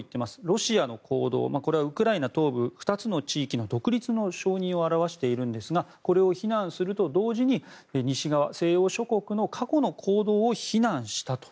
ロシアの行動、これはウクライナ東部２つの地域の独立の承認を表しているんですがこれを非難すると同時に西側、西欧諸国の過去の行動を非難したと。